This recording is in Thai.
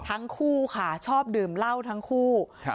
ทั้งคู่ค่ะชอบดื่มเหล้าทั้งคู่ครับ